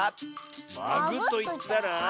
「まぐ」といったら？